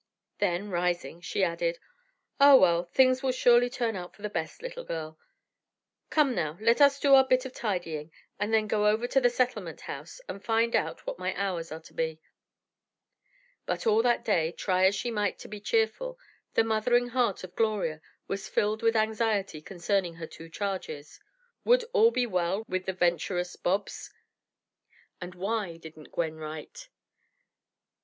Then, rising, she added: "Ah, well, things will surely turn out for the best, little girl. Come now, let us do our bit of tidying and then go over to the Settlement House and find out what my hours are to be." But all that day, try as she might to be cheerful, the mothering heart of Gloria was filled with anxiety concerning her two charges. Would all be well with the venturous Bobs, and why didn't Gwen write?